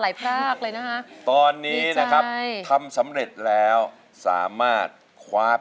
ให้รักรับลูกทุ่มลูกทุ่ม